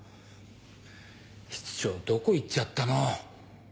室長どこ行っちゃったの？